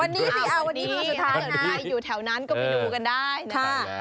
วันนี้สุดท้ายอยู่แถวนั้นก็ไปดูกันได้